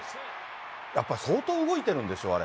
やっぱ相当動いてるんでしょ、あれ。